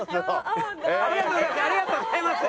ありがとうございます。